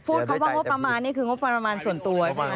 คำว่างบประมาณนี่คืองบประมาณส่วนตัวใช่ไหม